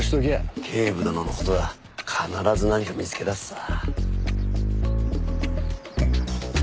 警部殿の事だ必ず何か見つけ出すさ。